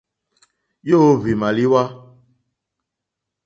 Yǒhwì màlíwá.